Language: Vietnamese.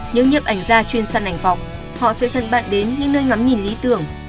nếu nhiệm ảnh ra chuyên săn ảnh vọc họ sẽ dẫn bạn đến những nơi ngắm nhìn lý tưởng